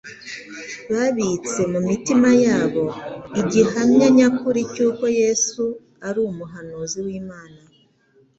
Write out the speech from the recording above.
babitse mu mitima yabo igihamya nyakuri cy’uko Yesu ari Umuhanuzi w’Imana.